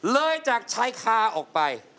เลยจากชายคาออกไป